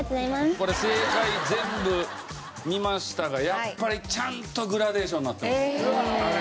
これ正解全部見ましたがやっぱりちゃんとグラデーションになってます。